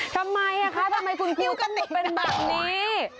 ทำไมคุณครูก็เป็นแบบนี้